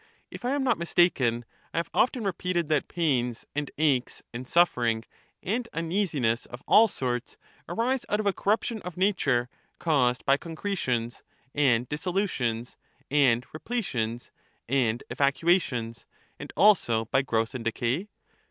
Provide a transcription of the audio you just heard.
If I am not mistaken, I have often repeated that pains and aches and suffering and uneasiness of all sorts arise out of a corruption of nature caused by concretions, and dissolu tions, aod repletions^and evacuations, and also by growth and decay